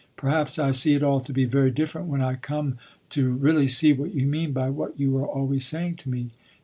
Perhaps I see it all to be very different when I come to really see what you mean by what you are always saying to me."